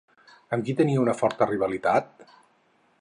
Amb qui tenia una forta rivalitat?